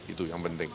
itu yang penting ya